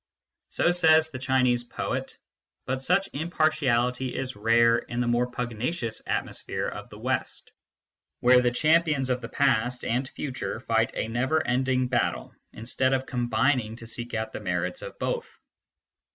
So says the Chinese poet ; but such impartiality is rare in the more pugnacious atmosphere of the West, where the champions of past and future fight a never ending battle, instead of combining to seek out the merits of both.